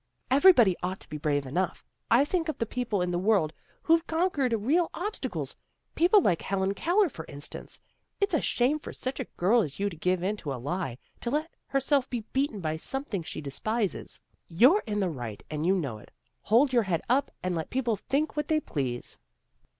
" Everybody ought to be brave enough. Think of the people in the world who've con quered real obstacles, people like Helen Keller, for instance. It's a shame for such a girl as you to give in to a lie, to let herself be beaten by something she despises. You're in the right and you know it. Hold your head up and let people think what they please."